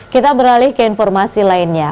kita beralih ke informasi lainnya